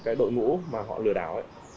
cái đội ngũ mà họ lừa đảo